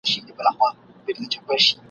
قافلې سمي ته سیخ کړي را پیدا کاروان سالار کې ..